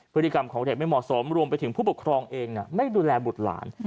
พฤติกรรมของเด็กไม่เหมาะสมรวมไปถึงผู้ปกครองเองไม่ดูแลบุตรหลาน